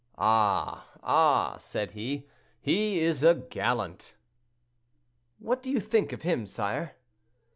"Ah! ah!" said he, "he is a gallant." "What do you think of him, sire?"